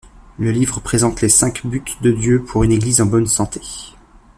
Le livre présente les cinq buts de Dieu pour une église en bonne santé.